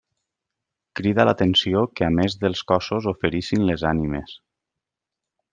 Crida l'atenció que a més dels cossos oferissin les ànimes.